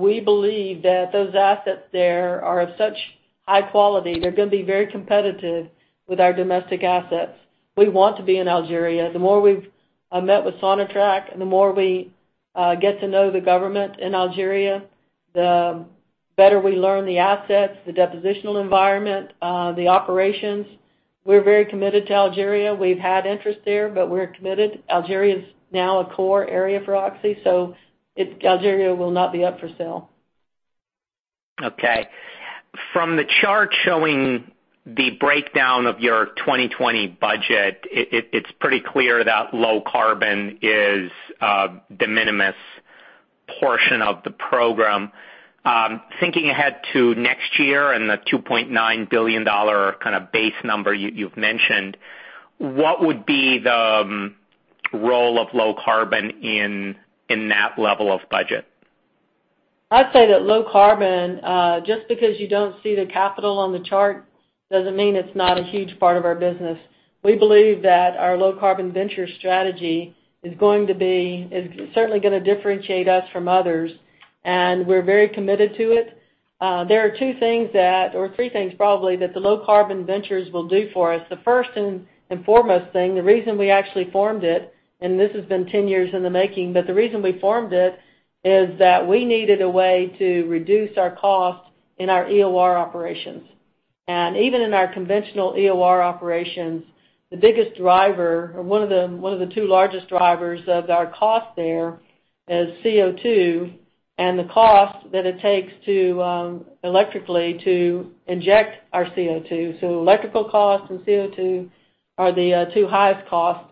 we believe that those assets there are of such high quality, they're going to be very competitive with our domestic assets. We want to be in Algeria. The more we've met with Sonatrach, the more we get to know the government in Algeria, the better we learn the assets, the depositional environment, the operations. We're very committed to Algeria. We've had interest there, but we're committed. Algeria is now a core area for Oxy, so Algeria will not be up for sale. Okay. From the chart showing the breakdown of your 2020 budget, it's pretty clear that low carbon is a de minimis portion of the program. Thinking ahead to next year and the $2.9 billion base number you've mentioned, what would be the role of low carbon in that level of budget? I'd say that low carbon, just because you don't see the capital on the chart, doesn't mean it's not a huge part of our business. We believe that our Low Carbon Ventures strategy is certainly going to differentiate us from others. We're very committed to it. There are three things probably that the Low Carbon Ventures will do for us. The first and foremost thing, the reason we actually formed it. This has been 10 years in the making. The reason we formed it is that we needed a way to reduce our cost in our EOR operations. Even in our conventional EOR operations, the biggest driver, or one of the two largest drivers of our cost there is CO2 and the cost that it takes electrically to inject our CO2. Electrical cost and CO2 are the two highest costs.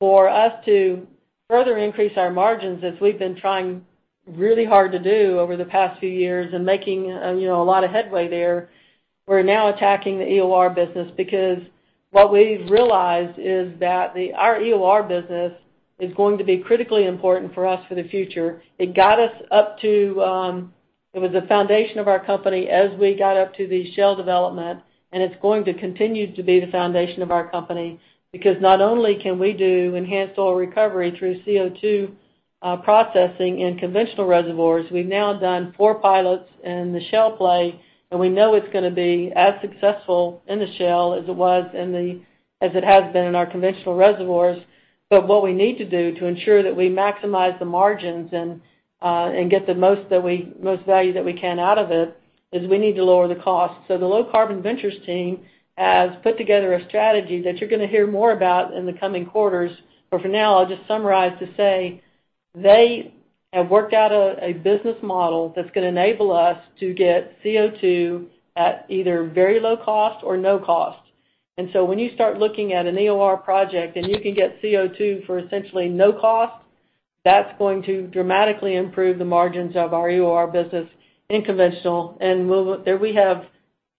For us to further increase our margins as we've been trying really hard to do over the past few years and making a lot of headway there, we're now attacking the EOR business because what we've realized is that our EOR business is going to be critically important for us for the future. It was the foundation of our company as we got up to the shale development, and it's going to continue to be the foundation of our company because not only can we do enhanced oil recovery through CO2 processing in conventional reservoirs, we've now done four pilots in the shale play, and we know it's going to be as successful in the shale as it has been in our conventional reservoirs. What we need to do to ensure that we maximize the margins and get the most value that we can out of it, is we need to lower the cost. The Low Carbon Ventures team has put together a strategy that you're going to hear more about in the coming quarters. For now, I'll just summarize to say they have worked out a business model that's going to enable us to get CO2 at either very low cost or no cost. When you start looking at an EOR project and you can get CO2 for essentially no cost, that's going to dramatically improve the margins of our EOR business in conventional. We have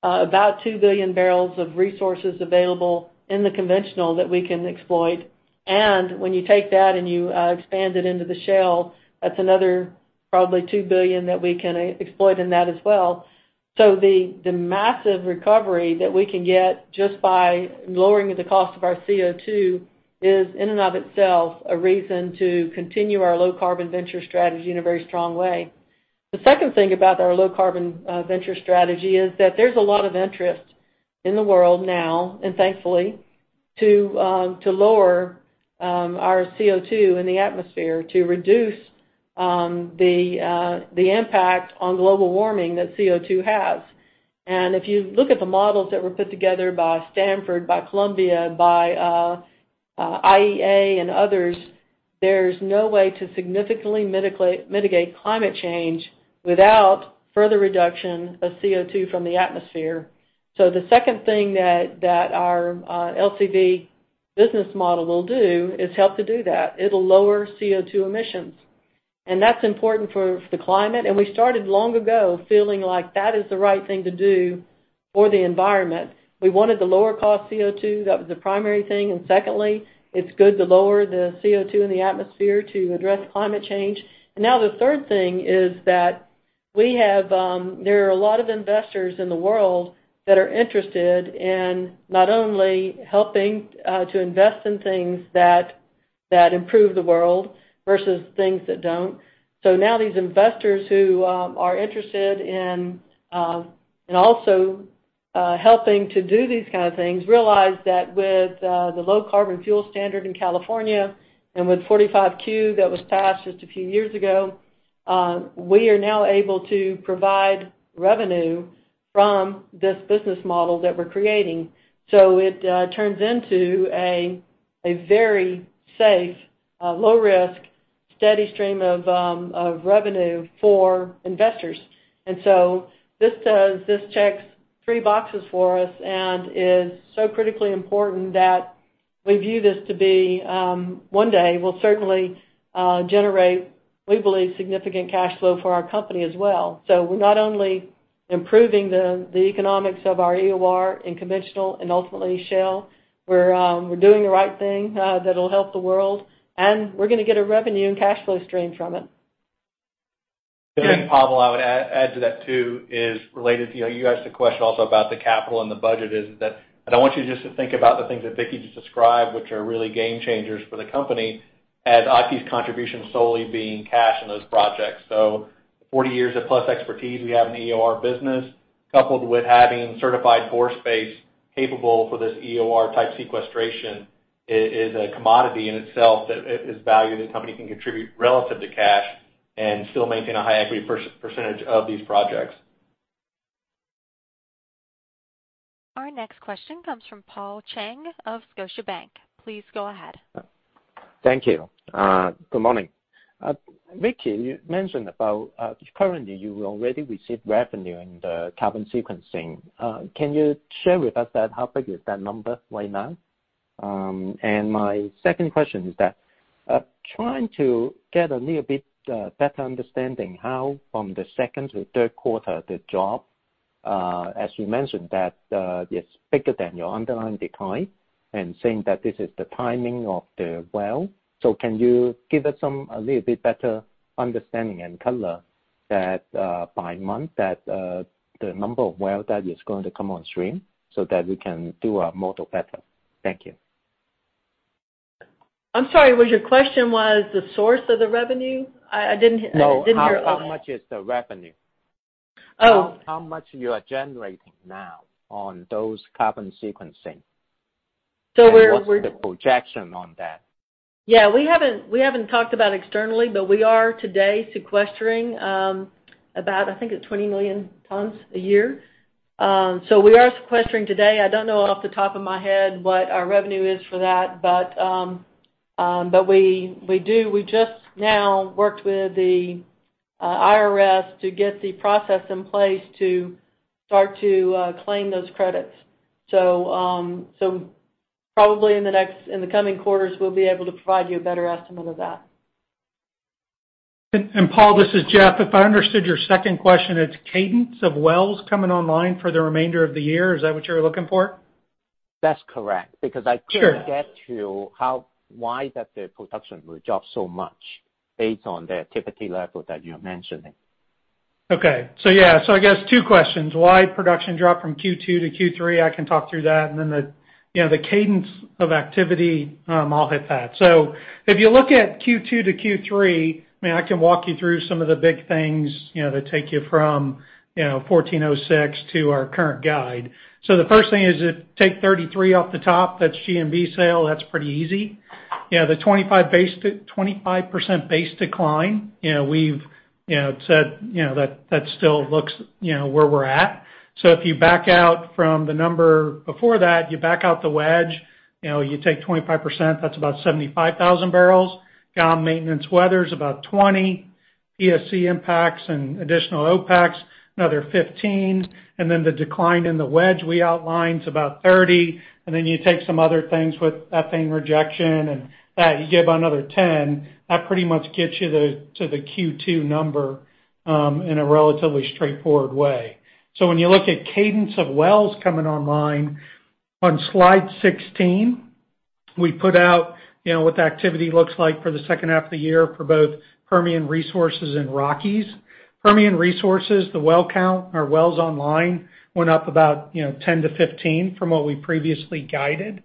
about 2 billion barrels of resources available in the conventional that we can exploit. When you take that and you expand it into the shale, that's another probably $2 billion that we can exploit in that as well. The massive recovery that we can get just by lowering the cost of our CO2 is in and of itself a reason to continue our Low Carbon Ventures strategy in a very strong way. The second thing about our Low Carbon Ventures strategy is that there's a lot of interest in the world now, and thankfully, to lower our CO2 in the atmosphere to reduce the impact on global warming that CO2 has. If you look at the models that were put together by Stanford, by Columbia, by IEA and others, there's no way to significantly mitigate climate change without further reduction of CO2 from the atmosphere. The second thing that our LCV business model will do is help to do that. It'll lower CO2 emissions, that's important for the climate. We started long ago feeling like that is the right thing to do for the environment. We wanted to lower cost CO2. That was the primary thing. Secondly, it's good to lower the CO2 in the atmosphere to address climate change. Now the third thing is that there are a lot of investors in the world that are interested in not only helping to invest in things that improve the world versus things that don't. Now these investors who are interested in also helping to do these kind of things realize that with the Low Carbon Fuel Standard in California and with 45Q that was passed just a few years ago, we are now able to provide revenue from this business model that we're creating. It turns into a very safe, low risk, steady stream of revenue for investors. This checks three boxes for us and is so critically important that we view this to be, one day will certainly generate, we believe, significant cash flow for our company as well. We're not only improving the economics of our EOR and conventional and ultimately shale, we're doing the right thing that'll help the world, and we're going to get a revenue and cash flow stream from it. Pavel, I would add to that too, is related to, you asked a question also about the capital and the budget is that I want you just to think about the things that Vicki just described, which are really game changers for the company, as Oxy's contribution solely being cash in those projects. 40 years of plus expertise we have in the EOR business, coupled with having certified pore space capable for this EOR type sequestration is a commodity in itself that is valued, the company can contribute relative to cash and still maintain a high equity percentage of these projects. Our next question comes from Paul Cheng of Scotiabank. Please go ahead. Thank you. Good morning. Vicki, you mentioned about, currently you already receive revenue in the carbon sequestration. Can you share with us how big is that number right now? My second question is that, trying to get a little bit better understanding how from the second to third quarter, the drop, as you mentioned, that it's bigger than your underlying decline and saying that this is the timing of the well. Can you give us a little bit better understanding and color that by month that the number of well that is going to come on stream so that we can do our model better? Thank you. I'm sorry, was your question was the source of the revenue? I didn't hear all of it. No. How much is the revenue? Oh. How much you are generating now on those carbon sequestration? So we're. What's the projection on that? Yeah, we haven't talked about externally, but we are today sequestering about, I think it's 20 million tons a year. We are sequestering today. I don't know off the top of my head what our revenue is for that, but we do. We just now worked with the IRS to get the process in place to start to claim those credits. Probably in the coming quarters, we'll be able to provide you a better estimate of that. Paul, this is Jeff. If I understood your second question, it's cadence of wells coming online for the remainder of the year. Is that what you're looking for? That's correct. Sure. I couldn't get to why that the production would drop so much based on the activity level that you're mentioning. I guess two questions. Why production dropped from Q2 to Q3? I can talk through that, the cadence of activity, I'll hit that. If you look at Q2 to Q3, I can walk you through some of the big things that take you from 1,406 to our current guide. The first thing is take 33 off the top, that's GNB sale. That's pretty easy. The 25% base decline, we've said that still looks where we're at. If you back out from the number before that, you back out the wedge, you take 25%, that's about 75,000 bbl. Down maintenance weather is about 20. PSC impacts and additional OpEx, another 15. The decline in the wedge we outlined is about 30. You take some other things with ethane rejection and that you give another 10. That pretty much gets you to the Q2 number, in a relatively straightforward way. When you look at cadence of wells coming online, on slide 16, we put out what the activity looks like for the second half of the year for both Permian Resources and Rockies. Permian Resources, the well count, our wells online went up about 10 to 15 from what we previously guided.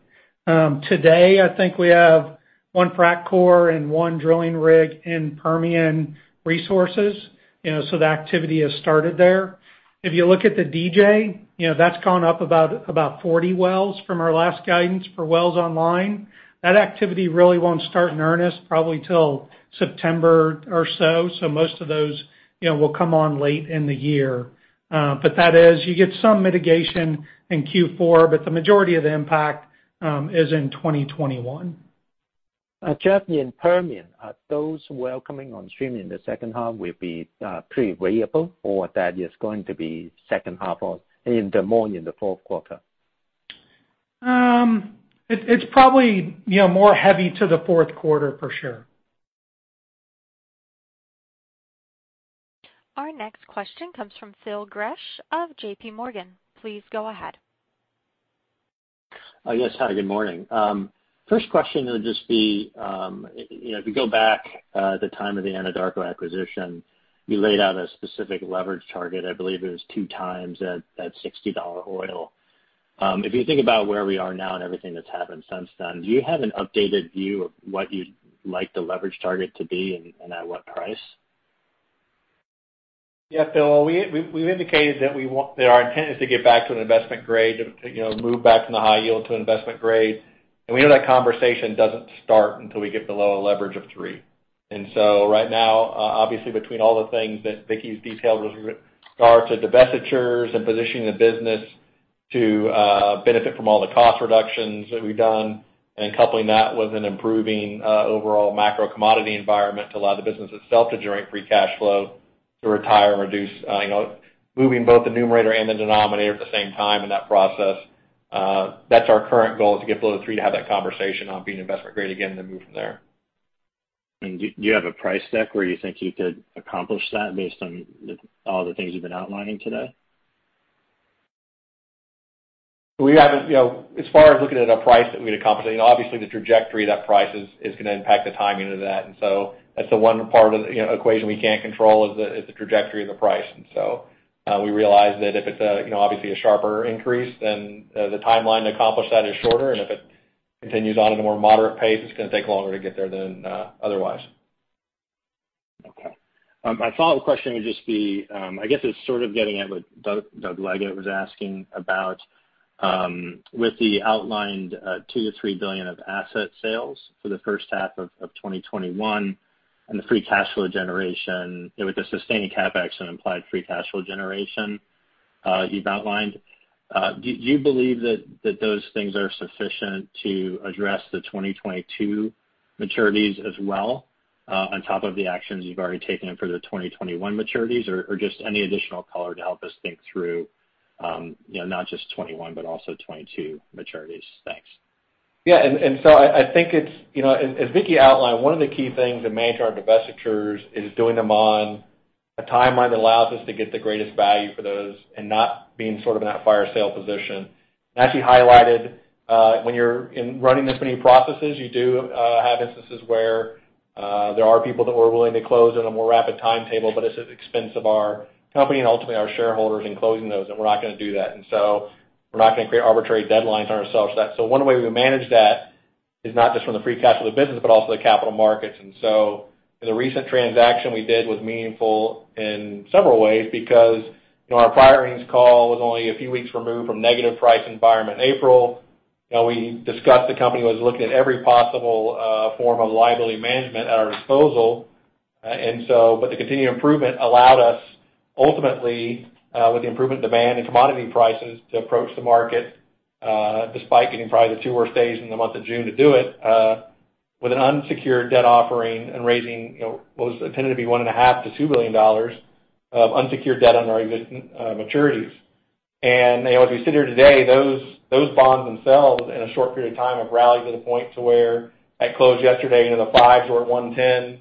Today, I think we have one frac crew and one drilling rig in Permian Resources. The activity has started there. If you look at the DJ, that's gone up about 40 wells from our last guidance for wells online. That activity really won't start in earnest probably till September or so. Most of those will come on late in the year. That is, you get some mitigation in Q4, but the majority of the impact is in 2021. Jeff, in Permian, are those wells coming on stream in the second half will be pretty variable, or that is going to be second half or more in the fourth quarter? It's probably more heavy to the fourth quarter for sure. Our next question comes from Phil Gresh of JPMorgan. Please go ahead. Yes. Hi, good morning. First question would just be, if you go back the time of the Anadarko acquisition, you laid out a specific leverage target. I believe it was 2x at $60 oil. If you think about where we are now and everything that's happened since then, do you have an updated view of what you'd like the leverage target to be and at what price? Yeah. Phil, we indicated that our intent is to get back to an investment grade to move back from the high yield to investment grade. We know that conversation doesn't start until we get below a leverage of three. Right now, obviously between all the things that Vicki's detailed with regard to divestitures and positioning the business to benefit from all the cost reductions that we've done, and coupling that with an improving overall macro commodity environment to allow the business itself to generate free cash flow, to retire and reduce moving both the numerator and the denominator at the same time in that process. That's our current goal, to get below the three, to have that conversation on being investment grade again and then move from there. Do you have a price deck where you think you could accomplish that based on all the things you've been outlining today? As far as looking at a price that we'd accomplish, obviously the trajectory of that price is going to impact the timing of that. That's the one part of the equation we can't control, is the trajectory of the price. We realize that if it's obviously a sharper increase, then the timeline to accomplish that is shorter. If it continues on at a more moderate pace, it's going to take longer to get there than otherwise. Okay. My follow-up question would just be, I guess it's sort of getting at what Doug Leggate was asking about. With the outlined $2 billion-$3 billion of asset sales for the first half of 2021 and the free cash flow generation with the sustaining CapEx and implied free cash flow generation you've outlined, do you believe that those things are sufficient to address the 2022 maturities as well on top of the actions you've already taken for the 2021 maturities? Just any additional color to help us think through not just 2021, but also 2022 maturities. Thanks. Yeah. I think as Vicki outlined, one of the key things in managing our divestitures is doing them on a timeline that allows us to get the greatest value for those and not being sort of in that fire sale position. As she highlighted, when you're running this many processes, you do have instances where there are people that we're willing to close in a more rapid timetable, but it's at the expense of our company and ultimately our shareholders in closing those, and we're not going to do that. We're not going to create arbitrary deadlines on ourselves. One way we manage that is not just from the free cash flow of the business, but also the capital markets. The recent transaction we did was meaningful in several ways because our prior earnings call was only a few weeks removed from negative price environment in April. We discussed the company was looking at every possible form of liability management at our disposal. The continued improvement allowed us ultimately with the improvement demand and commodity prices to approach the market despite getting probably the two worst days in the month of June to do it with an unsecured debt offering and raising what was intended to be $1.5 billion-$2 billion of unsecured debt on our existing maturities. As we sit here today, those bonds themselves in a short period of time have rallied to the point to where at close yesterday, the fives were at 110,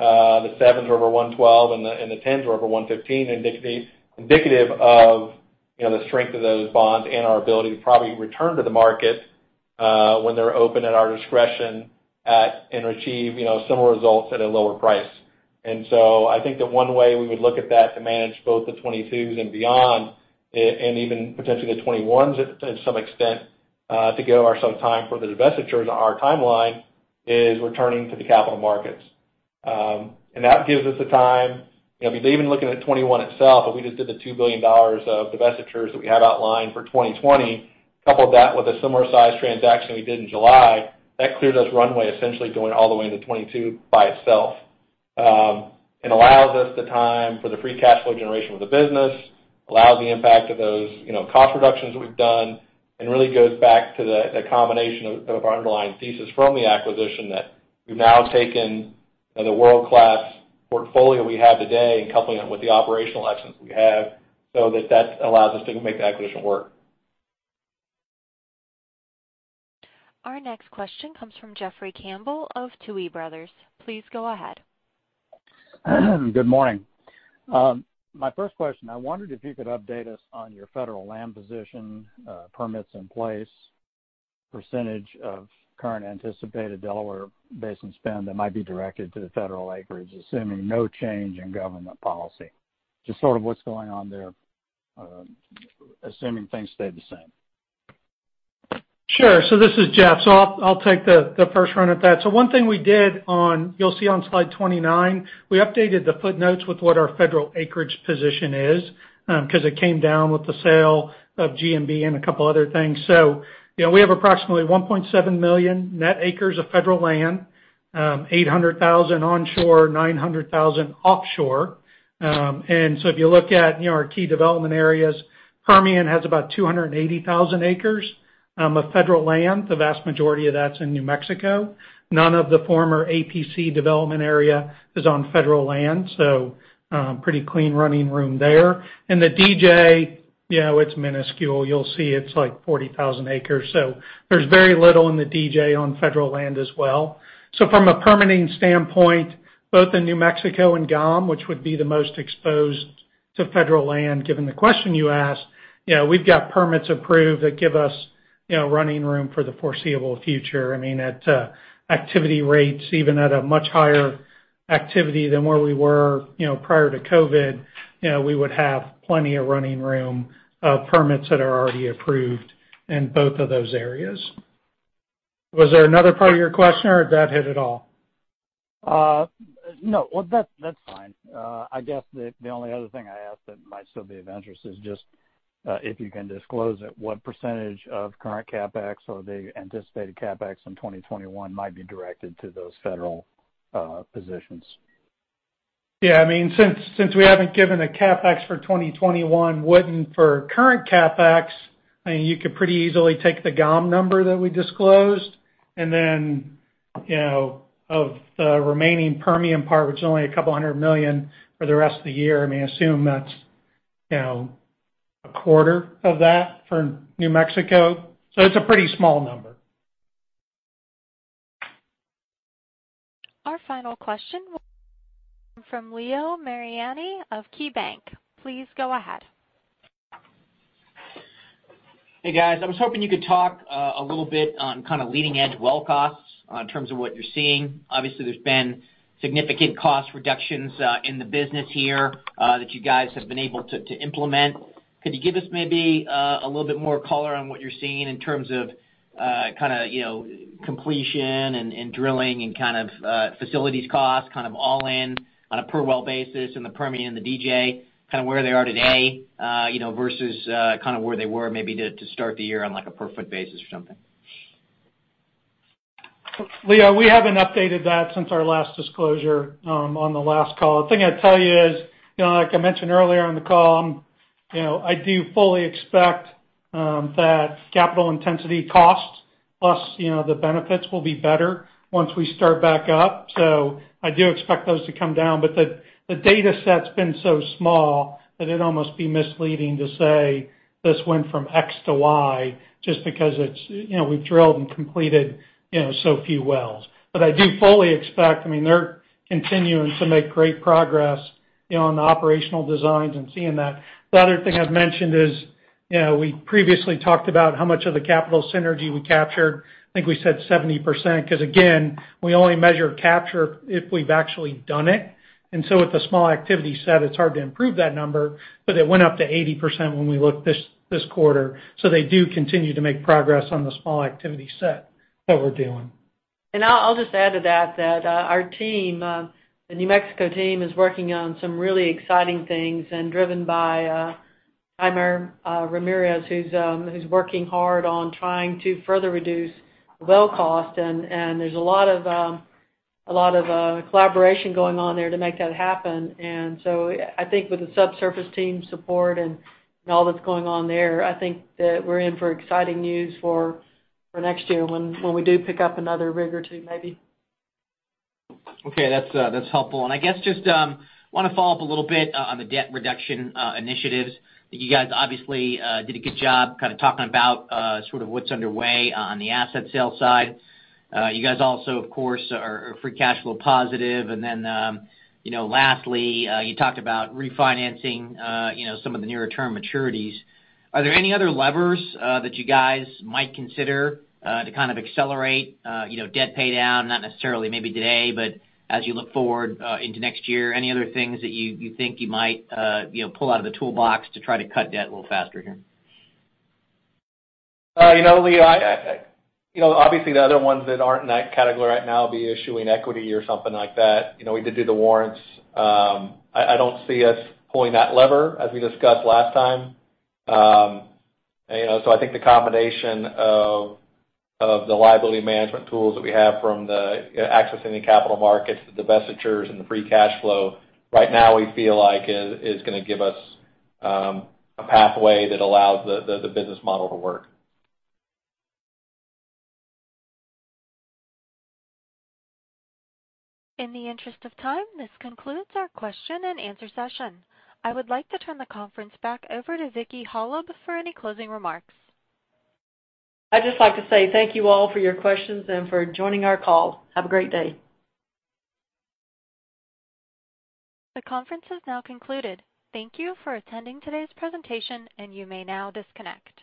the sevens were over 112, and the tens were over 115, indicative of the strength of those bonds and our ability to probably return to the market when they're open at our discretion and achieve similar results at a lower price. I think the one way we would look at that to manage both the 2022s and beyond and even potentially the 2021s at some extent to give ourselves time for the divestitures on our timeline is returning to the capital markets. That gives us even looking at 2021 itself, if we just did the $2 billion of divestitures that we had outlined for 2020, coupled that with a similar size transaction we did in July, that clears us runway essentially going all the way into 2022 by itself. It allows us the time for the free cash flow generation of the business, allows the impact of those cost reductions we've done, and really goes back to the combination of our underlying thesis from the acquisition that we've now taken the world-class portfolio we have today and coupling it with the operational excellence we have so that that allows us to make the acquisition work. Our next question comes from Jeffrey Campbell of Tuohy Brothers. Please go ahead. Good morning. My first question, I wondered if you could update us on your federal land position, permits in place, percentage of current anticipated Delaware Basin spend that might be directed to the federal acreage, assuming no change in government policy. Just sort of what's going on there assuming things stay the same. Sure. This is Jeff. I'll take the first run at that. One thing we did, you'll see on slide 29, we updated the footnotes with what our federal acreage position is because it came down with the sale of GNB and a couple other things. We have approximately 1.7 million net acres of federal land, 800,000 onshore, 900,000 offshore. If you look at our key development areas, Permian has about 280,000 acres of federal land. The vast majority of that's in New Mexico. None of the former APC development area is on federal land. Pretty clean running room there. In the DJ, it's minuscule. You'll see it's like 40,000 acres. There's very little in the DJ on federal land as well. From a permitting standpoint, both in New Mexico and GOM, which would be the most exposed To federal land, given the question you asked, we've got permits approved that give us running room for the foreseeable future. At activity rates, even at a much higher activity than where we were prior to COVID, we would have plenty of running room of permits that are already approved in both of those areas. Was there another part of your question, or did that hit it all? No. Well, that's fine. I guess the only other thing I'd ask that might still be of interest is just if you can disclose it, what percentage of current CapEx or the anticipated CapEx in 2021 might be directed to those federal positions? Yeah. Since we haven't given a CapEx for 2021, wouldn't for current CapEx, you could pretty easily take the GOM number that we disclosed, and then, of the remaining Permian part, which is only a couple hundred million for the rest of the year. Assume that's a quarter of that for New Mexico. It's a pretty small number. Our final question will come from Leo Mariani of KeyBank. Please go ahead. Hey, guys. I was hoping you could talk a little bit on leading-edge well costs in terms of what you're seeing. Obviously, there's been significant cost reductions in the business here that you guys have been able to implement. Could you give us maybe a little bit more color on what you're seeing in terms of completion and drilling and facilities costs, all in on a per-well basis in the Permian and the DJ, where they are today versus where they were maybe to start the year on like a per-foot basis or something? Leo, we haven't updated that since our last disclosure on the last call. The thing I'd tell you is, like I mentioned earlier on the call, I do fully expect that capital intensity costs plus the benefits will be better once we start back up. I do expect those to come down. The data set's been so small that it'd almost be misleading to say this went from X to Y just because we've drilled and completed so few wells. I do fully expect, they're continuing to make great progress on the operational designs and seeing that. The other thing I've mentioned is, we previously talked about how much of the capital synergy we captured. I think we said 70%, because again, we only measure capture if we've actually done it. With a small activity set, it's hard to improve that number, but it went up to 80% when we looked this quarter. They do continue to make progress on the small activity set that we're doing. I'll just add to that our team, the New Mexico team, is working on some really exciting things and driven by Thaimar Ramirez, who's working hard on trying to further reduce well cost. There's a lot of collaboration going on there to make that happen. I think with the subsurface team support and all that's going on there, I think that we're in for exciting news for next year when we do pick up another rig or two maybe. Okay. That's helpful. I guess I just want to follow up a little bit on the debt reduction initiatives that you guys obviously did a good job kind of talking about sort of what's underway on the asset sales side. You guys also, of course, are free cash flow positive. Lastly, you talked about refinancing some of the nearer-term maturities. Are there any other levers that you guys might consider to kind of accelerate debt paydown? Not necessarily maybe today, but as you look forward into next year, any other things that you think you might pull out of the toolbox to try to cut debt a little faster here? Leo, obviously the other ones that aren't in that category right now would be issuing equity or something like that. We did do the warrants. I don't see us pulling that lever as we discussed last time. I think the combination of the liability management tools that we have from the accessing the capital markets, the divestitures and the free cash flow right now we feel like is going to give us a pathway that allows the business model to work. In the interest of time, this concludes our question and answer session. I would like to turn the conference back over to Vicki Hollub for any closing remarks. I'd just like to say thank you all for your questions and for joining our call. Have a great day. The conference has now concluded. Thank you for attending today's presentation, and you may now disconnect.